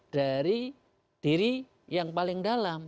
dari diri yang paling dalam